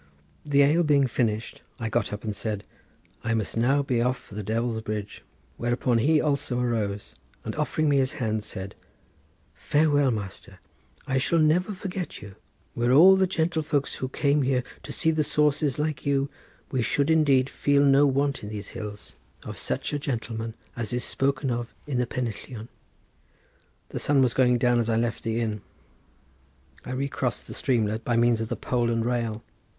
The ale being finished I got up and said: "I must now be off for the Devil's Bridge!" Whereupon he also arose, and offering me his hand, said: "Farewell, master; I shall never forget you: were all the gentlefolks who come here to see the sources like you, we should indeed feel no want in these hills of such a gentleman as is spoken of in the pennillion." The sun was going down as I left the inn. I recrossed the streamlet by means of the pole and rail.